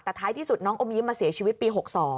แต่ท้ายที่สุดน้องอมยิ้มมาเสียชีวิตปี๖๒